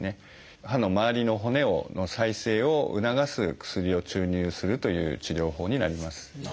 歯の周りの骨の再生を促す薬を注入するという治療法になります。